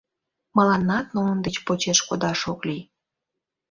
Мыланнат нунын деч почеш кодаш ок лий.